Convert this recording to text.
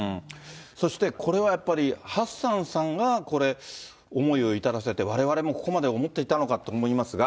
そして、これはやっぱり、ハッサンさんが、これ、思いを至らせて、われわれもここまで思っていたのかと思いますが。